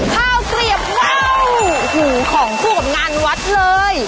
สวัสดีค่ะพี่